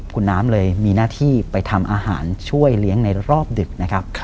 คุณน้ำเลยมีหน้าที่ไปทำอาหารช่วยเลี้ยงในรอบดึกนะครับ